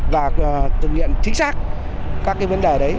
và thực hiện chính xác các vấn đề đấy